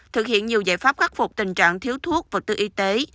thực hiện nhiều giải pháp khắc phục tình trạng thiếu thuốc vật tư y tế